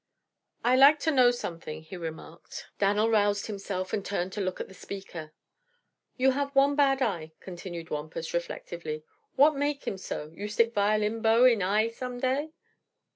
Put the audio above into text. "I like to know something," he remarked. Dan'l roused himself and turned to look at the speaker. "You have one bad eye," continued Wampus, reflectively. "What make him so? You stick violin bow in eye some day?"